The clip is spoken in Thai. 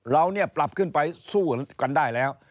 เราเนี่ยปรับขึ้นไปสู้กันได้แล้ว